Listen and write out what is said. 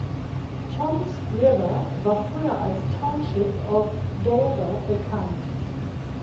Toms River war früher als Township of Dover bekannt.